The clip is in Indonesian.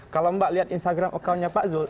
kalau mbak lihat instagram account nya pak zul